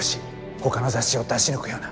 ほかの雑誌を出し抜くような。